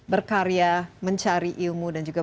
berkarya mencari ilmu dan juga